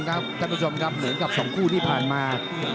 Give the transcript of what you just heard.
ท่านผู้ชมครับเหมือนกับ๒คู่ที่ผ่านมา